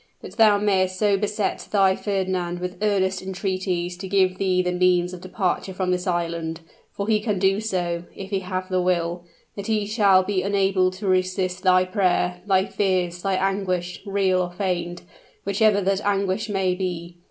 But thou mayst so beset thy Fernand with earnest entreaties to give thee the means of departure from this island for he can do so, if he have the will that he shall be unable to resist thy prayer thy fears thy anguish, real or feigned, whichever that anguish may be.